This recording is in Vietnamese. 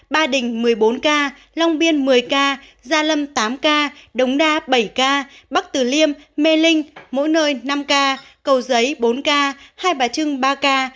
ba đình một mươi bốn ca long biên một mươi ca gia lâm tám ca đống đa bảy ca bắc tử liêm mê linh mỗi nơi năm ca cầu giấy bốn ca hai bà trưng ba ca